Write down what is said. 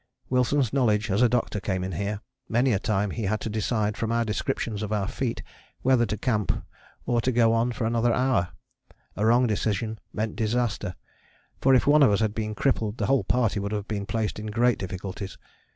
Wilson's knowledge as a doctor came in here: many a time he had to decide from our descriptions of our feet whether to camp or to go on for another hour. A wrong decision meant disaster, for if one of us had been crippled the whole party would have been placed in great difficulties.